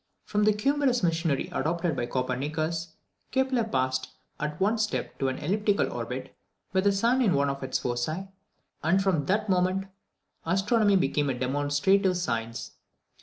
From the cumbrous machinery adopted by Copernicus, Kepler passed, at one step, to an elliptical orbit, with the sun in one of its foci, and from that moment astronomy became a demonstrative science.